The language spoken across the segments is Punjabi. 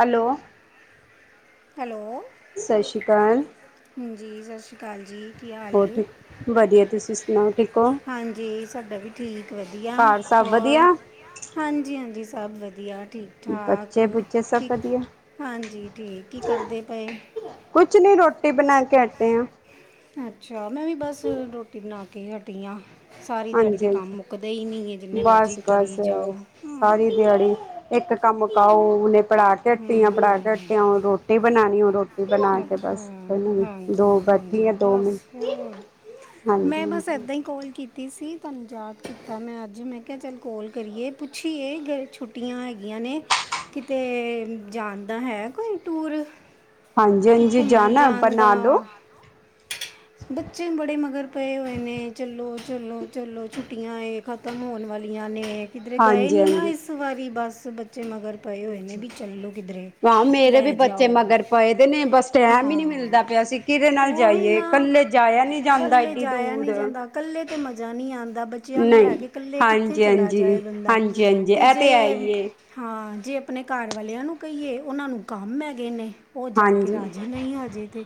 ਹੈਲੋ। ਹੈਲੋ। ਸਤਿ ਸ਼੍ਰੀ ਅਕਾਲ। ਹਾਂਜੀ, ਸਤਿ ਸ਼੍ਰੀ ਅਕਾਲ ਜੀ। ਕੀ ਹਾਲ ਹੋਰ ਏ? ਠੀਕ ਵਧੀਆ ਤੁਸੀਂ ਸੁਣਾਓ ਠੀਕ ਹੋ ਹਾਂਜੀ ਸਾਡਾ ਵੀ ਠੀਕ। ਵਧੀਆ ਘਰ ਸਭ ਹੋਰ? ਵਧੀਆ ਹਾਂਜੀ-ਹਾਂਜੀ ਸਭ ਵਧੀਆ ਠੀਕ ਠਾਕ ਬੱਚੇ ਬੁੱਚੇ ਸਭ ਕੀ, ਵਧੀਆ ਹਾਂਜੀ ਠੀਕ, ਕੀ ਕਰਦੇ ਪਏ? ਕੁਛ ਨੀ, ਰੋਟੀ ਬਣਾ ਕੇ ਅਟੇ ਆ। ਅੱਛਾ, ਮੈਂ ਵੀ ਬਸ ਰੋਟੀ ਬਣਾ ਕੇ ਈ ਹਟੀ ਆ। ਸਾਰੀ ਦਿਆੜੀ ਹਾਂਜੀ ਤੇ ਕੰਮ ਹਾਂਜੀ ਮੁੱਕਦੇ ਈ ਨਈ ਏ, ਜਿੰਨੇ ਮਰਜ਼ੀ ਬਸ ਬਸ ਕਰੀ ਜਾਓ। ਹਾਂ ਸਾਰੀ ਦਿਆੜੀ, ਇੱਕ ਕੰਮ ਮੁਕਾਓ, ਹੁਣੇ ਪੜਾ ਕੇ ਹਟੀ ਆਂ, ਪੜਾ ਕੇ ਹਮ ਹਟੀ ਆਂ, ਹੁਣ ਰੋਟੀ ਬਣਾਉਣੀ ਹੁਣ ਰੋਟੀ, ਬਣਾ ਕੇ ਅੱਛਾ ਬਸ [unintelligible] ਹਾਂਜੀ ਦੋ ਬੈਠੀ ਹਾਂਜੀ ਆ, ਦੋ ਬਸ ਮਿੰਟ। ਹੋਰ ਹਾਂਜੀ ਮੈਂ ਬਸ ਹਾਂਜੀ ਏਦਾਂ ਈ ਕੋਲ ਕੀ ਤੀ ਸੀ, ਤੁਆਨੂੰ ਯਾਦ ਕੀਤਾ ਮੈ ਅਜ, ਮੈ ਕੇਆ ਚੱਲ ਕੋਲ ਕਰੀਏ, ਪੁੱਛੀਏ ਗਏ ਛੁ ਟੀਆਂ ਹੈਗੀਆਂ ਨੇ, ਕਿਤੇ ਜਾਣ ਦਾ ਹੈ ਕੋਈ ਟੂਰ? ਕਿ ਹਾਂਜੀ-ਹਾਂਜੀ ਘੁੰਮਣ ਜਾਣਾ ਏ? ਜਾਣ ਦਾ ਬਨਾ ਲੋ। ਬੱਚੇ ਬੜੇ ਮਗਰ ਪਏ ਹੋਏ ਨੇ, ਚਲੋ-ਚਲੋ-ਚੱਲੋ ਛੁੱਟੀਆਂ ਏ। ਖਤਮ ਹੋਣ ਵਾਲੀਆਂ ਨੇ, ਕਿਧਰੇ ਗਏ ਹਾਂਜੀ ਨਈ ਨਾ ਹਾਂਜੀ ਇਸ ਵਾਰੀ, ਬਸ ਬੱਚੇ ਮਗਰ ਪਏ ਹੋਏ ਹਾਂਜੀ ਨੇ, ਵੀ ਚੱਲੋ ਕਿਧਰੇ, ਹਾਂ ਮੇਰੇ ਵੀ ਲੈ ਬੱਚੇ ਜਾਓ, ਮਗਰ ਪਏ ਦੇ ਨੇ ਬਸ ਟੈਮ ਹੀ ਨਹੀਂ ਹਾਂ। ਮਿਲਦਾ ਪਿਆ ਸੀ ਕਿਹਦੇ ਨਾਲ ਔਹੀ ਜਾਈਏ ਨਾ। ਇਕੱਲੇ ਜਾਇਆ ਨਹੀਂ ਜਾਂਦਾ ਕੱਲੇ ਏਡੀ ਜਾਇਆ ਦੂਰ ਨਹੀ ਜਾਦਾ, ਕਲੇ ਤੇ ਮਜ਼ਾ ਨਈ ਆਂਦਾ, ਬੱਚਿਆਂ ਨੂੰ ਲੈ ਨਹੀਂ ਕੇ ਕੱਲੇ ਕਿੱਥੇ ਹਾਂਜੀ ਚਲਾ ਹਾਂਜੀ ਜਾਏ ਬੰਦਾ? ਹਾਂਜੀ ਹਾਂਜੀ ਤੇ ਇਹ ਹੈ ਜੇ ਹੀ ਏ ਹਾਂ, ਜੇ ਆਪਣੇ ਕਾਰਵਾਲੇਆਂ ਨੂੰ ਕਹੀਏ, ਉਹਨਾਂ ਨੂੰ ਕੰਮ ਹੈੈਗੇ ਨੇ। ਉਹ ਜਾ ਕੇ ਰਾਜ਼ੀ ਨਹੀਂ ਹਜੇ ਤੇ।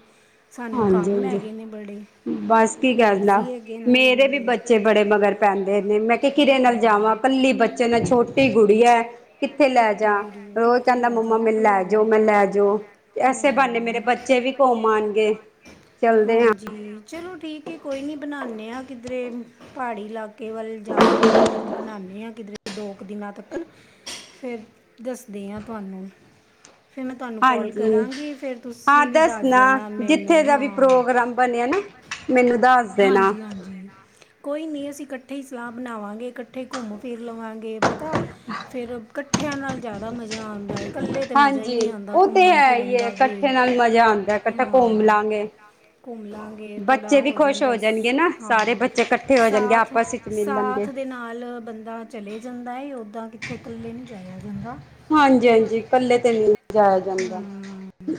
ਸਾਨੂੰ ਕੰਮ ਹਾਂਜੀ-ਹਾਂਜੀ, ਹੈਗੇ ਨੇ ਬੜੇ ਬਸ ਕੀ ਉਹ ਕੇਂਦਾ, ਬਿਜ਼ੀ ਹੈਗੇ ਨੇ ਮੇਰੇ ਵੀ ਬੰਦੇ ਬੱਚੇ ਬੜੇ ਮਗਰ ਪੈਂਦੇ ਨੇ, ਮੈਂ ਕਿਆ ਕਿਦੇ ਨਾਲ ਜਾਵਾਂ, ਹਾਂ ਕੱਲੀ ਬੱਚੇ ਨੇ, ਛੋਟੀ ਗੁਡੀਆ ਐ। ਕਿੱਥੇ ਲੈ ਛੋਟੀ ਜਾ? ਗੁੜੀ ਨੂੰ ਰੋਜ਼ ਕਿੱਥੇ ਕਹਿੰਦਾ ਲੈ ਮੰਮਾ ਜਾਵਾਂ ਮੈਨੂੰ ਤੇ ਲੈ ਜਾਓ, ਮੈਂ ਲੈ ਜਾਓ। ਐਸੇ ਬਾਨੇ ਮੇਰੇ ਹਾਂ ਬੱਚੇ ਵੀ ਕੁਮ ਆਣਗੇ। ਚਲਦੇ ਹਾਂ ਹਾਂਜੀ ਚਲੋ ਠੀਕ ਏ, ਕੋਈ ਨੀ ਬਣਾਨੇ ਆ ਕਿਧਰੇ ਪਆੜੀ ਇਲਾ ਕੇ ਵਲ ਜਾਣ ਦਾ ਬਣਾਣੇ ਆ ਕਿਧਰੇ, ਦੋ ਕੁ ਦਿਨਾਂ ਤੱਕਨ। ਫੇਰ ਦੱਸਦੀ ਆ ਤੁਆਨੂੰ। ਫਿਰ ਮੈਂ ਤੁਆਨੂੰ ਕਾਲ ਹਾਂਜੀ ਕਰਾਂਗੀ, ਫੇਰ ਹਾਂ ਤੁਸੀਂ ਵੀ ਦੱਸ ਦੱਸਣਾ ਦੇਣਾ ਮੈਨੂੰ, ਜਿੱਥੇ ਦਾ ਵੀ ਹਾਂ। ਪ੍ਰੋਗਰਾਮ ਬਣਿਆ ਨਾ, ਮੈਨੂੰ ਦੱਸ ਦੇਣਾ। ਹਾਂਜੀ ਹਾਂਜੀ, ਕੋਈ ਨੀ ਅਸੀ ਇਕਠੇ ਹੀ ਸਲਾਹ ਬਣਾਵਾਂਗੇ, ਇਕਠੇ ਹੀ ਘੁੰਮ ਫਿਰ ਲਵਾਂਗੇ, ਪਤਾ ਫਿਰ ਕਠਿਆਂ ਨਾਲ ਜ਼ਿਆਦਾ ਮਜ਼ਾ ਆਂਦਾ ਏ। ਕਲੇ ਤੇ ਮਜ਼ਾ ਹੀ ਹਾਂਜੀ ਨਹੀ ਆਂਦਾ ਉਹ ਤੇ ਘੁੰਮਣ ਹੈ ਹੀ ਫਿਰਨ ਹੈ ਦਾ ਵੀ, ਇਕੱਠੇ ਨਾਲ ਮਜ਼ਾ ਆਉਂਦਾ ਇਕੱਠਾ ਘੁੰਮ ਹਾਂ। ਲਾਂਗੇ ਘੁੰਮ ਲਾਂਗੇ, ਥੋੜਾ ਬੱਚੇ ਉਹ ਵੀ ਹੋ ਖੁਸ਼ ਜਾਂਦਾ ਏ, ਜਾਣਗੇ ਨਾ ਸ ਸਾਰੇ ਹਾਂ ਬੱਚੇ ਇਕੱਠੇ ਹੋ ਜਾਣਗੇ ਸਾਥ। ਆਪਸ ਵਿੱਚ ਮਿਲਣਗੇ ਸਾਥ ਦੇ ਨਾਲ ਬੰਦਾ ਚਲੇ ਜਾਂਦਾ ਏ, ਓਦਾਂ ਕਿਥੇ ਕਲੇ ਨਹੀ ਜਾਇਆ ਜਾਂਦਾ। ਹਾਂਜੀ-ਹਾਂਜੀ ਇਕਲੇ ਤੇ ਨਈ ਜਾਇਆ ਜਾਂਦਾ,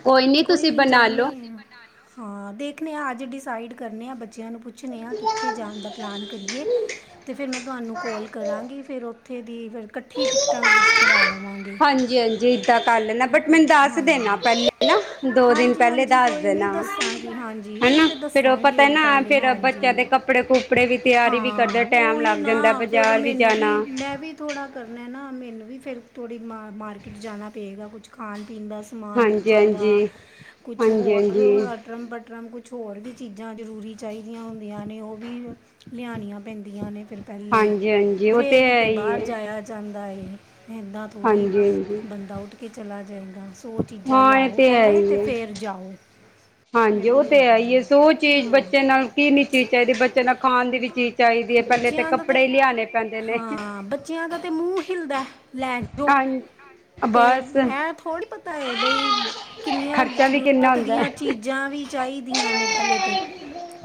ਕੋਈ ਨਈ ਤੁਸੀ ਬਣਾ ਲੋ। ਬਣਾ ਲੋ। ਹਾਂ ਦੇਖਣੇ ਆ ਅਜ ਡਿਸਾਈਡ ਕਰਨੇ ਆ ਬੇ- ਬੱਚਿਆਂ ਨੂੰ ਪੁੱਛਣੇ ਹਾਂ ਕਿਥੇ ਜਾਣ ਦਾ ਪਲੈਨ ਕਰੀਏ ਅਤੇ ਫਿਰ ਮੈਂ ਤੁਹਾਨੂੰ ਕੋਲ ਕਰਾਂਗੀ ਫਿਰ ਉਥੇ ਦੀ ਫਿਰ ਇਕਠੀ ਟਿਕਟਾਂ ਬੁੱਕ ਕਰਾ ਲਵਾਂਗੇ ਹਾਂਜੀ ਹਾਂਜੀ ਏਦਾਂ ਕਰ ਲੈਣਾ ਬਟ ਮੈਨੂੰ ਦੱਸ ਹਾਂ ਦੇਣਾ ਪਹਿਲੇ ਨਾ ਦੋ ਦਿਨ ਹਾਂਜੀ- ਪਹਿਲੇ ਹਾਂਜੀ ਦੱਸ ਕੋਈ ਨੀ ਦੇਣਾ ਦੱਸਾਂ ਹਾਂਜੀ ਉਹ ਹਨਾ ਤੇ ਫੇਰ ਉਹ ਦੱਸਾਂਗੇ ਪਤਾ ਅਸੀ ਨਾ ਪਹਿਲੇ ਫੇਰ ਬੱਚਿਆਂ ਦੇ ਹਾਂਜੀ ਕੱਪੜੇ ਕੁਪੜੇ ਵੀ ਤਿਆਰੀ ਵੀ ਕਰਦੇ ਹਾਂ ਟੈਮ ਉਹੀ ਲੱਗ ਨਾ ਜਾਂਦਾ ਫੇਰ ਬਾਜ਼ਾਰ ਮੈਨੂੰ ਜਾਣਾ ਵੀ ਮੈ ਵੀ ਥੋੜ੍ਹਾ ਕਰਨਾ ਨਾ ਮੈਨੂੰ ਵੀ ਫਿਰ ਥੋੜ੍ਹੀ ਮਾਰਕੀਟ ਜਾਣਾ ਪਵੇਗਾ ਕੁਛ ਖਾਣ ਪੀਣ ਦਾ ਸਮਾਨ ਹਾਂਜੀ ਬੱਚਿਆਂ ਹਾਂਜੀ ਦਾ ਕੁਛ ਹਾਂਜੀ ਹੋਰ ਹਾਂਜੀ ਅਟਰ੍ਰੰ ਅਟਰਮ ਕੁਛ- ਕੁਛ ਹੋਰ ਵੀ ਚੀਜ਼ਾਂ ਜ਼ਰੂਰੀ ਚਾਹੀਦੀਆਂ ਹੁੰਦੀਆਂ ਨੇ ਉਹ ਵੀ ਲਿਆਉਣੀਆਂ ਪੈਂਦੀਆਂ ਨੇ ਫਿਰ ਪਹਿਲੇ ਹਾਂਜੀ ਹਾਂਜੀ ਉਹ ਫੇਰ ਤੇ ਹੈ ਕਿਤੇ ਹੀ ਬਾਹਰ ਹੈ ਜਾਇਆ ਜਾਂਦਾ ਏ ਅਤੇ ਇੱਦਾਂ ਥੋੜ੍ਹੀ ਹਾਂਜੀਜੀ [unintelligible] ਦਾ ਉਠ ਕੇ ਚਲਾ ਜਾਏਦਾ ਸੋ ਉਹ ਚੀਜ਼ਾਂ ਹਾਂ ਇਹ ਲਿਆਓ ਤੇ ਹੈ ਪਹਿਲੇ ਹੀ ਤੇ ਹੈ ਫੇਰ ਜਾਓ ਇਹ ਹਾਂਜੀ ਉਹ ਵੀ ਤੇ ਹੁੰਦਾ ਹੈ। ਹੀ ਹੈ। ਸੋ ਉਹ ਚੀਜ਼ ਹਾਂ ਬੱਚੇ ਨਾਲ ਕਿਨੀ ਚੀਜ਼ ਚਾਹੀਦੀ ਬੱਚਿਆਂ ਨਾਲ ਖਾਣ ਦੀ ਵੀ ਚੀਜ਼ ਚਾਹੀਦੀ ਹੈ। ਪਹਿਲੇ ਤੇ ਬੱਚਿਆਂ ਦਾ ਕੱਪੜੇ ਹੀ ਲਿਆਣੇ ਪੈਂਦੇ ਨੇ ਹਾਂ ਬੱਚਿਆਂ ਦਾ ਤੇ ਮੂੰਹ ਹਿਲਦਾ ਲੈ ਜੋ ਹਾਂਜੀ ਅਤੇ ਬਸ ਮੈਂ ਥੋੜ੍ਹ ਪਤਾ ਹੈ। ਬਈ ਕਿਨੀਆਂ ਖਰਚਾ ਵੀ ਕਿੰਨਾ ਜ਼ਰੂਰਤ ਹੁੰਦਾ ਦੀਆਂ ਚੀਜ਼ਾਂ ਵੀ ਚਾਹੀਦੀਆਂ ਨੇ ਪਹਿਲੇ ਤੇ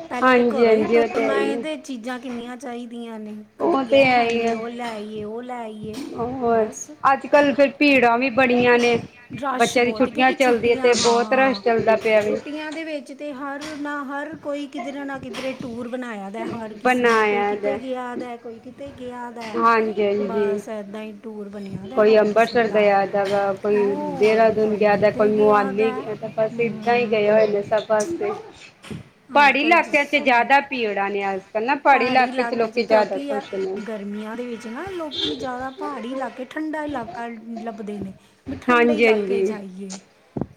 ਪਹਿਲੇ ਤੇ ਹਾਂਜੀ ਘਰੋ ਹੀ ਹਾਂਜੀ ਉਹ ਹੈ ਹੀ ਤੋਰਨਾਏ ਹੈ ਤੇ ਇਹ ਚੀਜਾ ਕਿਨੀਆਂ ਚਾਹੀਦੀਆਂ ਨੇ ਉਹ ਕਦੀ ਤੇ ਇਹ ਹੈ ਹੀ ਹੈਨੀ ਹੈ ਉਹ ਲੈਏ ਉਹ ਲੈਈਏ ਹੋਰ ਅਜ ਕਲ ਫਿਰ ਭੀੜਾਂ ਵੀ ਬਣੀਆਂ ਨੇ ਰਸ਼ ਬੱਚਿਆਂ ਦੀ ਬਹੁਤ ਹੈ ਛੁੱਟੀਆਂ ਕਿਉਂਕਿ ਚਲਦੀ ਤੇ ਛੁੱਟੀਆਂ ਬਹੁਤ ਹਾਂ ਰਸ਼ ਚੱਲਦਾ ਪਿਆ ਵੀ ਛੁੱਟੀਆਂ ਦੇ ਵਿਚ ਤੇ ਹਰ ਨਾ ਹਰ ਕੋਈ ਕਿਧਰੇ ਨਾ ਕਿਧਰੇ ਟੂਰ ਬਣਾਇਆ ਹੈ, ਹਰ ਕਿਸੇ ਨੂੰ ਕੋਈ ਬਣਾਇਆ ਦਾ ਕਿਤੇ ਗਿਆ ਦੈ ਕੋਈ ਕਿਤੇ ਗਿਆ ਦੈ ਹਾਂਜੀ ਹਾਂਜੀ ਬਸ ਏਦਾਂ ਹੀ ਟੂਰ ਬਣਿਆ ਦਾ ਹੈ ਕੋਈ ਹਰ ਕਿਸੇ ਅੰਬਰਸਰ ਗਿਆ ਦਾ ਵਾ ਕੋਈ ਹੋਰ ਦੇਹਰਾਦੂਨ ਕੋਈ ਗਿਆ ਦੈ ਕਿਤੇ ਕੋਈ ਗਿਆ ਦਾ ਮੋਹਾਲੀ ਹੈ। ਗਿਆ ਬਸ ਏਦਾਂ ਹੀ ਗਏ ਹੋਏ ਹਮ ਨੇ ਸਭ ਪਾਸੇ ਅੱਜ ਪਹਾੜੀ ਕੱਲ੍ਹ ਇਲਾਕਿਆਂ ਚ ਜਿਸ ਜ਼ਿਆਦਾ ਭੀੜ ਜਾ ਨੇਿਆ [unintelligible] ਪਹਾੜੀ ਇਲਾਕੇ ਚ ਕਿਉਂਕਿ ਨੇ ਗਰਮੀਆਂ ਦੇ ਵਿੱਚ ਨਾ ਲੋਕੀ ਜ਼ਿਆਦਾ ਪਹਾੜੀ ਇਲਾਕੇ ਠੰਡਾ ਇਲਾਕਾ ਲੱਭਦੇ ਨੇ ਬ ਠੰਡੇ ਹਾਂਜੀ ਇਲਾਕੇ ਹਾਂਜੀ ਜਾਈਏ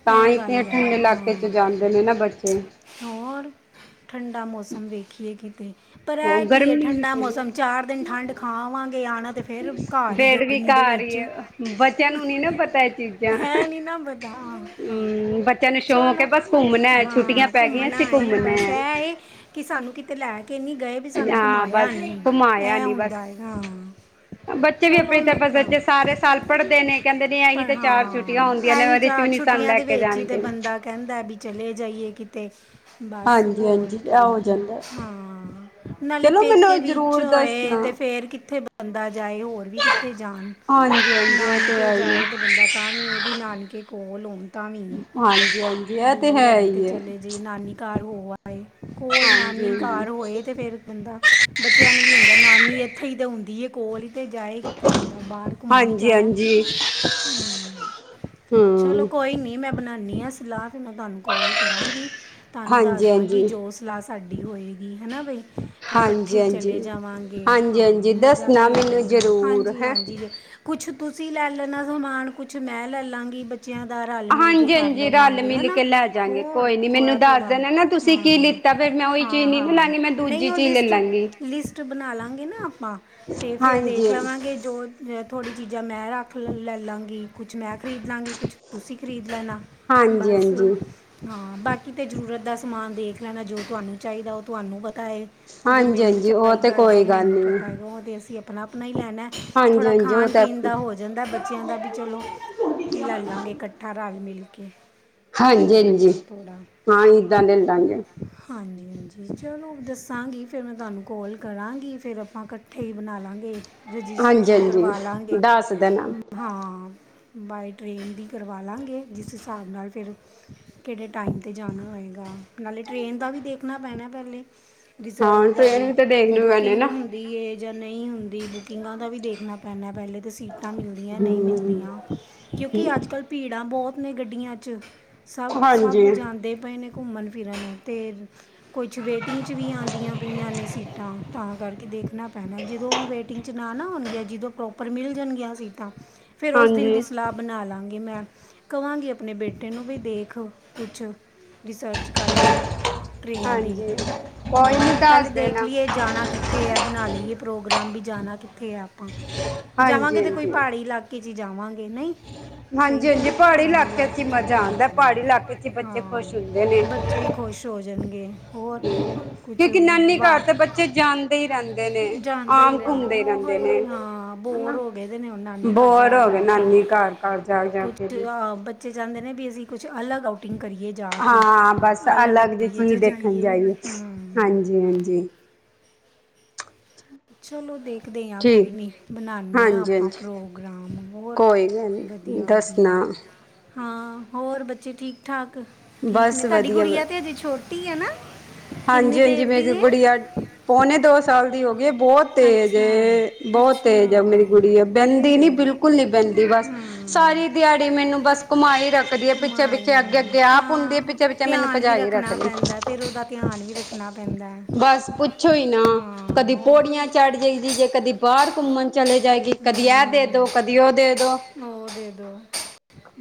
ਤਾਂ ਇਹਂ ਹੀ ਤੇ ਗੱਲ ਐ ਠੰਡੇ ਇਲਾਕੇ ਚ ਹਾਂ। ਜਾਂਦੇ ਨੇ ਨਾ ਬੱਚੇ ਹੋਰ ਠੰਡਾ ਮੌਸਮ ਵੇਖੀਏ। ਕਿਤੇ ਪਰ ਹੈ ਉਹ ਕੀ ਏ? ਗਰਮੀ ਠੰਡਾ ਨੀ ਮੌਸਮ ਚਾਰ ਦਿਨ ਠੰਡ ਖਾ ਆਵਾਂਗੇ ਆਣਾ ਤੇ ਫੇਰ ਘਰ ਈ ਡੇਢ ਗਰਮੀ ਵੀਕਾ ਦੇ ਆ ਵਿੱਚ ਰਹੀ ਹੈ ਬੱਚਿਆਂ ਨੂੰ ਨੀ ਨਾ ਪਤਾ ਇਹ ਐ‌ ਨੀ ਨਾ ਪਤਾ ਹੂੰ ਬੱਚਿਆਂ ਨੂੰ ਸ਼ੌਕ ਹੈ ਚਲੋ ਬਸ ਘੁੰਮਣਾ ਛੁੱਟੀਆਂ ਹਾਂ ਪੈ ਗਈਆਂ ਘੁੰਮਣਾ ਸੀ ਹੈ ਘੁੰਮਣਾ ਬਸ ਇਹ ਹੈ ਕਿ ਸਾਨੂੰ ਕਿਤੇ ਲੈ ਕੇ ਨਹੀ ਗਏ ਵੀ ਸਾਨੂੰ ਹਾਂ ਘੁੰਮਾਇਆ ਬਸ ਨਹੀ ਘੁਮਾਇਆ ਐਂ ਨੀ ਬਸ ਹੁੰਦਾ ਹੈਗਾ ਬੱਚੇ ਵੀ ਆਪਣੀ ਤਤੇ ਸਾਰੇ ਸਾਲ ਪੜ੍ਹਦੇ ਨੇ ਕਹਿਦੇ ਨੇ ਇਹੀ ਪਰ ਤਾਂ ਚਾਰ ਛੁੱਟੀਆਂ ਹੁੰਦੀ ਹਾਂ ਜਨਵਰੀ ਵਿਚ ਵੀ ਸਾਨੂੰ ਨਹੀ ਲੈ ਕੇ ਜਾਣਗੇ ਨਾ ਕਹਿੰਦਾ ਵੀ ਚਲੇ ਜਾਈਏ ਕਿਤੇ ਬਸ ਹਾਂਜੀ ਹੋਰ ਹਾਂਜੀ ਇਹ ਕੀ ਹੋ ਜਾਂਦਾ ਹਾਂ ਨਾਲੇ ਚਲੋ ਮੈਨੂੰ ਪੇਕੇ ਵਿਚ ਜ਼ਰੂਰ ਹੋਏ ਦੱਸਣਾ ਤੇ ਫੇਰ ਕਿੱਥੇ ਬੰਦਾ ਜਾਏ ਹੋਰ ਵੀ ਕਿਥੇ ਜਾਣ ਹਾਂਜੀ ਹਾਂਜੀ ਇਹ ਤੇ ਨਾਨਕੇ ਹੈ ਹੀ ਹੈ ਜਾਏ ਤੇ ਬੰਦਾ ਤਾਂ ਵੀ ਇਹਦੇ ਨਾਨਕੇ ਕੋਲ ਹੋਣ ਤਾਂ ਵੀ ਹੈ। ਹਾਂਜੀ- ਹਾਂਜੀ ਇਹ ਤੇ ਹੈ। ਹੀ ਹੈ। ਜੇ ਨਾਨੀ ਘਰ ਹੋਏ ਕੋਲ ਹਾਂਜੀ ਨਾਨੀ ਹਾਂਜੀ ਘਰ ਹੋਏ ਤੇ ਫੇਰ ਬੰਦਾ ਬੱਚਿਆਂ ਨੂੰ ਵੀ ਹੁੰਦਾ ਨਾਨੀ ਇਥੇ ਹੀ ਤਾਂ ਹੁੰਦੀ ਕੋਲ ਤੇ ਜਾਏ ਕਿਤੇ ਬੰਦਾ ਬਾਹਰ ਘੁੰਮਣ ਹਾਂਜੀ ਜਾਣਾ ਹਾਂਜੀ ਚਲੋ ਹਮ ਕੋਈ ਨੀ ਮੈਂ ਬਣਾਨੀ ਸ ਸਲਾਹ ਤਾਂ ਮੈਂ ਤਾਨੂੰ ਕੋਲ ਕਰਾਂਗੀ ਤਾਨੂੰ ਹਾਂਜੀ ਦੱਸ ਦਾਂਗੀ ਹਾਂਜੀ ਜੋ ਸਲਾਹ ਸਾਡੀ ਹੋਏਗੀ ਹਨਾ ਬਈ ਫਿਰ ਹਾਂਜੀ ਇਕੱਠੇ ਹਾਂਜੀ ਚਲੇ ਜਾਵਾਂਗੇ ਹਾਂਜੀ ਹਾਂ ਹਾਂਜੀ ਮਜ਼ਾ ਦੱਸਣਾ ਵੀ ਮੈਨੂੰ ਆਏਗਾ ਜ਼ਰੂਰ ਹਾਂਜੀ ਹੈਂ ਹਾਂਜੀ ਕੁਛ ਤੁਸੀਂ ਲੈ ਲੈਣਾ ਸਮਾਨ ਕੁਛ ਮੈਂ ਲੈ ਲਾਂਗੀ ਬੱਚਿਆਂ ਦਾ ਰਲ ਮਿਲ ਕੇ ਹਾਂਜੀ ਕਰ ਹਾਂਜੀ ਲਉ ਰਲ ਗੇ ਮਿਲ ਨਾ ਕੇ ਲੈ ਜਾਗੇ ਹੋ ਕੋਈ ਨੀ ਥੋੜਾ ਮੈਨੂੰ ਦੱਸ ਥੋੜਾ ਦੇਣਾ ਨਾ ਤੁਸੀਂ ਕੀ ਹਾਂ ਲਿੱਤਾ ਫਿਰ ਮੈਂ ਉਹੀ ਹਾਂ ਚੀਜ਼ ਨੀ ਨਾ ਹਾਂ ਲਾਂਗੀ ਮੈਂ ਨਹੀਂ ਦੂਜੀ ਉਹ ਚੀਜ਼ ਲੈ ਲਿਸਟ ਲਾਂਗੀ ਲਿਸਟ ਬਣਾ ਲਾਂਗੇ ਨਾ ਆਪਾਂ ਤੇ ਫਿਰ ਹਾਂਜੀ ਦੇਖ ਲਾਂਗੇ। ਕਿ ਜੋ ਥੋੜੀ ਚੀਜ਼ਾਂ ਮੈਂ ਰੱਖ ਲੈ ਲਾਂਗੀ ਕੁਛ ਮੈਂ ਖਰੀਦ ਲਾਂਗੀ ਕੁਛ ਤੁਸੀਂ ਖਰੀਦ ਲੈਣਾ ਹਾਂਜੀ ਬਸ। ਹਾਂਜੀ ਹਾਂ ਬਾਕੀ ਤੇ ਜ਼ਰੂਰਤ ਦਾ ਸਮਾਨ ਦੇਖ ਲੈਣਾ। ਜੋ ਤੁਹਾਨੂੰ ਚਾਹੀਦੈ ਓ ਤੁਹਾਨੂੰ ਪਤਾ ਏ। ਜੋ ਹਾਂਜੀ ਮੈਨੂੰ ਹਾਂਜੀ ਉਹ ਤੇ ਚਾਹੀਦਾ ਹੋਏਗਾ, ਕੋਈ ਗੱਲ ਮੈਨੂੰ ਨੀ ਪਤਾ ਹੋਏਗਾ ਉਹ ਤੇ ਅਸੀਂ ਆਪਣਾ- ਆਪਣਾ ਹੀ ਲੈਣੈ। ਹਾਂਜੀ ਥੋੜਾ ਹਾਂਜੀ ਉਹ ਖਾਣ- ਤਾਂ ਪੀਣ ਦਾ ਹੋ। ਜਾਂਦਾ ਬੱਚਿਆਂ ਦਾ ਵੀ ਚਲੋ ਲੈ ਲਾਂਗੇ ਇਕੱਠਾ ਰਲ ਮਿਲ ਕੇ ਹੋ ਹਾਂਜੀ-ਹਾਂਜੀ ਜਾਂਦਾ ਹਾਂ ਇੱਦਾਂ ਦੇ ਲਾਂਗੇ। ਹਾਂਜੀ-ਹਾਂਜੀ ਚਲੋ ਦੱਸਾਂਗੀ। ਫਿਰ ਮੈਂ ਤੁਹਾਨੂੰ ਕੋਲ ਕਰਾਂਗੀ ਫਿਰ ਆਪਾਂ ਕ ਇਕੱਠੇ ਹੀ ਬਣਾ ਲਵਾਂਗੇ, ਹਾਂਜੀ ਰਜਿਸਟ੍ਰੇਸ਼ਨ ਹਾਂਜੀ ਕਰਵਾ ਲਾਂਗੇ। ਦੱਸ ਦੇਣਾ ਹਾਂ ਬਾਏ ਟ੍ਰੇਨ ਦੀ ਕਰਵਾ ਲਾਂਗੇ, ਜਿਸ ਹਿਸਾਬ ਨਾਲ ਫੇਰ- ਕਿਹੜੇ ਟਾਈਮ ਤੇ ਜਾਣਾ ਹੋਏਗਾ। ਨਾਲੇ ਟ੍ਰੇਨ ਦਾ ਵੀ ਦੇਖਣਾ ਪੈਣਾ ਪਹਿਲੇ ਹਾਂ ਰਿਜ਼ਰਵ ਦਾ ਟ੍ਰੇਨ ਵੀ ਤਾਂ ਦੇਖਣੀ ਪੈਣੀ ਬੁਕਿੰਗ ਨਾ ਹੁੰ ਹੁੰਦੀ ਏ ਜਾਂ ਨਹੀਂ ਹੁੰਦੀ, ਬੁਕਿੰਗਾਂ ਦਾ ਵੀ ਦੇਖਣਾ ਪੈਣਾ ਪਹਿਲੇ ਤਾਂਸੀ। ਸੀਟਾਂ ਮਿਲਦੀਆਂ ਨਈ ਮਿਲਦੀਆਂ। ਕਿਉਂਕਿ ਅੱਜ-ਕੱਲ੍ਹ ਭੀੜਾਂ ਬਹੁਤ ਨੇ ਗੱਡੀਆਂ ਚ ਸਭ-ਸਭ ਹਾਂਜੀ ਜਾਂਦੇ ਪਏ ਨੇ ਘੁੰਮਣ ਫਿਰਨ ਤੇ ਕੁਛ ਵੇਟਿੰਗ ਚ ਵੀ ਆਂਦੀਆਂ ਪਈਆਂ ਨੇ ਸੀਟਾਂ ਤਾਂ ਕਰਕੇ ਦੇਖਣਾ ਪੈਣਾ। ਜਦੋਂ ਵੇਟਿੰਗ ਚ ਨਾ-ਨਾ ਹੋਣਗੀਆਂ। ਜਦੋਂ ਪ੍ਰੋਪਰ ਮਿਲ ਜਾਣਗੀਆਂ ਸੀਟਾਂ ਫੇਰ ਓਸ ਦਿਨ ਦੀ ਹਾਂਜੀ ਸਲਾਹ ਬਣਾ ਲਾਗੀ ਮੈਂ ਕਵਾਂਗੀ। ਆਪਣੇ ਬੇਟੇ ਨੂੰ ਵੀ ਦੇਖ ਕੁਛ ਰਿਸਰਚ ਕਰਕੇ ਟ੍ਰੇਨ ਦੀ ਹਾਂਜੀ ਕੋਈ ਨਹੀਂ ਹਾਂ ਦੱਸ ਪਹਿਲੇ ਦੇਖ ਦੇਣਾ ਲਈਏ ਜਾਣਾ ਕਿ ਕਿੱਥੇ ਹੈ ਬਣਾ ਲਈਏ ਪ੍ਰੋਗਰਾਮ ਵੀ ਜਾਣਾ ਕਿੱਥੇ ਆ ਆਪਾਂ। ਜਾਵਾਂਗੇ ਹਾਂਜੀ ਤੇ ਕੋਈ ਹਾਂਜੀ ਪਹਾੜੀ ਇਲਾਕੇ ਕਿ ਜੀ ਜਾਵਾਂਗੇ। ਨਹੀਂ? ਹਾਂਜੀ ਸਹੀ ਹੈ ਹਾਂਜੀ। ਨਾ ਪਹਾੜੀ ਇਲਾਕੇ 'ਚ ਮਜ਼ਾ ਹਾਂ ਆਉਂਦਾ ਪਹਾੜੀ ਇਲਾਕੇ ਚ ਬੱਚੇ ਖੁਸ਼ ਹਾਂ ਹੁੰਦੇ ਨੇ। ਬੱਚੇ ਵੀ ਖੁਸ਼ ਹੋ ਜਾਣਗੇ। ਹੋਰ ਕੁਛ ਕਿਉਂਕਿ ਨਾਨੀ ਵ ਘਰ ਤੇ ਬੱਚੇ ਜਾਂਦੇ ਰਹਿੰਦੇ। ਨੇ ਜਾਂਦਾ ਹੀ ਆਮ ਰਹਿੰਦਾ ਘੁੰਮਦੇ ਨੇ ਉਹ ਰਹਿੰਦੇ ਨੇ ਹੀ ਹਾਂ ਬੋਰ ਹਨਾ ਹੋ ਗਏਦੇ ਨੇ ਨਾਨੀ ਘਰ ਬੋਰ ਜਾ ਹੋ ਗਏ ਜਾ ਕੇ। ਨਾਨੀ ਘਰ ਘਰ ਜਾ ਜਾ ਕੁਛ ਕੇ ਵੀ ਬੱਚੇ ਚਾਹੁੰਦੇ ਨੇ ਵੀ ਅਸੀਂ ਕੁਛ ਅਲੱਗ ਆਊਟਿੰਗ ਕਰੀਏ। ਜਾ ਕੇ ਹਾਂ ਬਸ ਅਲੱਗ ਜਿਹੀ ਏਰੀਏ 'ਚ ਚੀਜ਼ ਦੇਖਣ ਜਾਈਏ। ਹੂੰ ਹਾਂਜੀ ਹਾਂਜੀ। ਚਲੋ ਦੇਖਦੇ ਹਾਂ ਕੋਈ ਠੀਕ ਨੀ। ਮਨਾਉਦੇ ਹਾਂ ਹਾਂਜੀ ਆਪਾਂ ਹਾਂਜੀ ਪ੍ਰੋਗਰਾਮ ਹੋਰ। ਕੋਈ ਗ ਨਹੀਂ, ਵਧੀਆ ਦੱਸਣਾ ਵਧੀਆ ਹਾਂ ਹੋਰ ਬੱਚੇ ਠੀਕ- ਠਾਕ ਠੀਕ ਬਸ ਨੇ, ਤੁਹਾਡੀ ਵਧੀਆ ਗੁੜੀਆ ਤੇ ਹਜੇ ਛੋਟੀ ਆ ਨਾ। ਕਿੰਨੀ ਹਾਂਜੀ- ਹਾਂਜੀ ਦੇਰ ਦੀ ਮੇਰੀ ਹੈ ਗੁੜੀਆ ਪਉਣੇ ਦੋ ਸਾਲ ਦੀ ਹੋ। ਬਹੁਤ ਤੇਜ ਅੱਛਾ ਏ ਬਹੁਤ ਅੱਛਾ ਤੇਜ ਆ ਮੇਰੀ ਗੁੜੀਆ ਆ ਬਹਿੰਦੀ ਤੇਜ ਨੀ ਹੈ ਬਿਲਕੁਲ ਕੁਲ ਨੀ ਪੈਂਦੀ ਬਸ ਹਮ ਸਾਰੀ ਦਿਹਾੜੀ ਮੈਨੂੰ ਬਸ ਘੁਮਾਈ ਰੱਖਦੀ ਏ ਕਮਾਲ ਪਿੱਛੇ-ਪਿੱਛੇ, ਹੈ ਅੱਗੇ-ਅੱਗੇ ਆਪ ਹੁੰਦੀ ਹਾਂ ਏ। ਪਿੱਛੇ -ਪਿੱਛੇ ਮੈਨੂੰ ਧਿਆਨ ਵੀ ਭਜਾਈ ਰੱਖਣਾ ਰੱਖਦੀਏ। ਪੈਂਦਾ ਫਿਰ ਉਹਦਾ ਧਿਆਨ ਵੀ ਰੱਖਣਾ ਪੈਂਦੈ ਐ। ਬਸ ਪੁੱਛੋ ਈ ਨਾ ਕਦੀ ਉਹ ਪੋੜੀਆਂ ਚੜ ਜਾਂਈਦੀ ਜੇ ਕਦੀ ਬਾਹਰ ਘੁੰਮਣ ਚਲੇ ਜਾਏਗੀ ਕਦੀ ਇਹ ਦੇ ਦੋ, ਕਦੀ ਉਹ ਦੇ ਦੋ। ਹੋ ਦੇਦੋ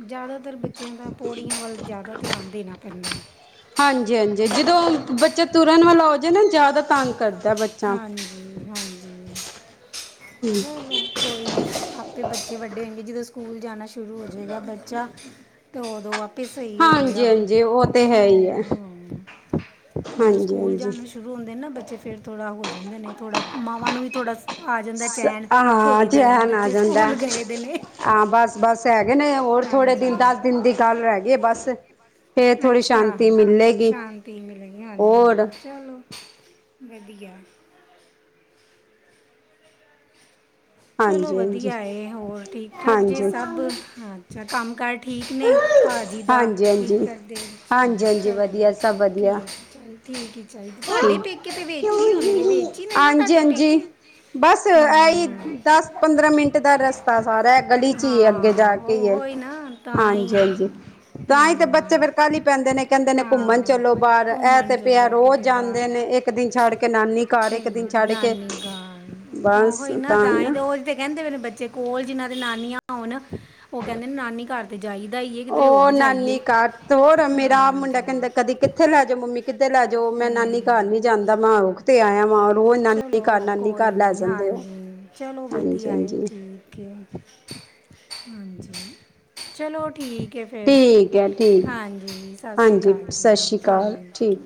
ਜ਼ਿਆਦਾ ਉੱਧਰ ਬੱਚਿਆਂ ਦਾ ਪੌੜੀਆਂ ਵੱਲ ਜ਼ਿਆਦਾ ਧਿਆਨ ਦੇਣਾ ਪੈਂਨਾ। ਹਾਂਜੀ-ਹਾਂਜੀ ਜਦੋਂ ਬੱਚਾ ਤੁਰਨ ਵਾਲਾ ਹੋ ਜੇ ਨਾ ਜ਼ਿਆਦਾ ਤੰਗ ਕਰਦਾ। ਬੱਚਾ ਹਾਂਜੀ-ਹਾਂਜੀ ਹੂੰ-ਹੂੰ। ਕੋਈ ਨਹੀਂ ਆਪੇ ਬੱਚੇ ਵੱਡੇ ਹੋਏਗੇ। ਜਦੋਂ ਸਕੂਲ ਜਾਣਾ ਸ਼ੁਰੂ ਹੋ ਜਾਵੇਗਾ। ਬੱਚਾ ਤੇ ਦੋ ਆਪ। ਤੇ ਸਹੀ ਹੋ ਹਾਂਜੀ ਜਾਏਗਾ। ਹਾਂਜੀ ਉਹ ਤੇ ਹੈ ਹੀ ਹੈ ਜਦੋਂ ਹਾਂਜੀ ਸਕੂਲ ਹਾਂਜੀ ਜਾਂਣ ਸ਼ੁਰੂ ਹੁੰਦੇ ਨਾ ਬੱਚੇ ਫੇਰ ਥੋੜਾ ਹੋ ਜਾਂਦੇ ਥੋੜ੍ਹਾ ਮਵਾਂ ਨੂੰ ਵੀ ਥੋੜਾ ਆ ਜਾਂਦਾ ਚੈਨ ਹਾਂ ਥੋੜ੍ਹੀ ਦੇਰ ਚੈਨ ਆ ਬੱਚੇ ਜਾਂਦਾ ਸਕੂਲ ਗਏ ਦੇ ਨੇ। ਹਾਂ ਬਸ ਬਸ ਹੈਗੇ ਨੇ ਹੋਰ ਥੋੜੇ ਦਿਨ ਹਾਂਜੀ ਦਸ ਦਿਨ ਦੀ ਗੱਲ ਰਹਿ ਗਈ ਬਸ। ਫੇਰ ਥੋੜ੍ਹੀ ਅੱਛਾ ਸ਼ਾਂਤੀ ਮਿਲੇਗੀ ਸ਼ਾਂਤੀ ਮਿਲੇਗੀ ਹਾਂਜੀ ਹੋਰ ਹਾਂਜੀ ਚਲੋ। ਵਧੀਆ। ਚਲੋ ਹਾਂਜੀ ਹਾਂਜੀ ਵਧੀਆ ਐ ਹੋਰ ਠੀਕ ਠਾਕ ਜੇ ਹਾਂਜੀ ਸਭ? ਅੱਛਾ ਕੰਮ ਕਾਰ ਠੀਕ ਨੇ? ਭਾਜੀ ਦਾ ਹਾਂਜੀ ਕੀ ਹਾਂਜੀ ਕਰਦੇ? ਹਾਂਜੀ ਹਾਂਜੀ ਚਲੋ ਜੀ ਵਧੀਆ ਸਭ ਵਧੀਆ ਠੀਕ ਜੇ। ਠੀਕ ਐ ਚਲੋ ਤੁਹਾਡੇ ਪੇਕੇ ਤੇ ਵੇਚ ਹੀ ਹੋਣੇ ਨੇ ਵੇਚ ਹੀ ਨੇ ਨਾ ਹਾਂਜੀ ਤੁਹਾਡੇ ਹਾਂਜੀ ਪੇਕੇ? ਬਸ ਐਹੀ ਹਮ ਦੱਸ। ਪੰਦਰਾਂ ਮਿੰਟ ਦਾ ਰਸਤਾ ਸਾਰਾ ਹੈ ਗਲੀ ਚ ਹੀ ਹੈ ਅੱਗੇ ਜਾ ਹਾਂ ਕੇ ਹੀ ਐ। ਉਹ ਨਾ ਤਾਂ ਹੀ ਹਾਂਜੀ ਹਾਂਜੀ। ਤਾਂ ਹੀ ਤੇ ਬੱਚੇ ਹਮ ਫਿਰ ਕਾਹਲੀ ਪੈਂਦੇ ਨੇ, ਕਹਿੰਦੇ ਨੇ ਘੁੰਮਣ ਹਾਂ ਚਲੋ ਬਾਹਰ, ਐ ਘੁੰਮਣ ਤੇ ਪਿਆ ਚੱਲੋ ਰੋਜ਼ ਕਿਤੇ ਬਾਹਰ ਜਾਂਦੇ ਨੇ, ਇੱਕ ਇੱਕ ਦਿਨ ਛੱਡ ਕੇ ਨਾਨੀ ਘਰ, ਇੱਕ ਸਹੇਲੀ ਦਿਨ ਦੀ ਛੱਡ ਕੇ, ਨਾਨੀ ਘਰ ਉਹ ਬਸ ਤਾਂ ਹੀ ਨਾ ਤੇ ਉਹ ਤੇ ਕਹਿੰਦੇ ਬੱਚੇ ਕੋਲ, ਜਿਹਨ੍ਹਾਂ ਦੇ ਨਾਨੀਆਂ ਹੋਣ, ਉਹ ਕਹਿੰਦੇ ਨੇ ਨਾਨੀ ਘਰ ਤੇ ਜਾਈਦਾ, ਕਿਤੇਰੇ ਹੋਰ ਉਹ ਜਾਈਏ, ਨਾਨੀ ਘਰ ਹੋਰ ਹਾਂ ਮੇਰਾ ਮੁੰਡਾ ਕਹਿੰਦਾ ਕਦੀ ਕਿੱਥੇ ਲੈ ਜੋ ਮੰਮੀ ਕਿੱਧੇ ਲੈ ਜੋ ਮੈਂ ਨਾਨੀ ਹਮ ਘਰ ਨੀ ਜਾਂਦਾ ਮੈਂ ਰੁਖ ਤੇ ਆਇਆ ਵਾਂ। ਰੋਜ਼ ਨਾਨੀ ਘਰ ਚਲੋ, ਨਾਨੀ ਕੋਈ ਘਰ ਲੈ ਨਹੀਂ ਜਾਂਦੇ ਹੋ ਹਾਂਜੀ, ਚਲੋ ਵਧੀਆ ਹੈ ਹਾਂਜੀ-ਹਾਂਜੀ ਠੀਕ ਓਕੇ, ਹਾਂਜੀ ਚਲੋ ਠੀਕ ਏ। ਫਿਰ, ਠੀਕ ਹੈ ਠੀਕ ਹਾਂਜੀ ਸਤਿ ਸ੍ਰੀ ਹਾਂਜੀ ਅਕਾਲ ਸਤਿ ਜੀ, ਸ਼੍ਰੀ ਅਕਾਲ ਠੀਕ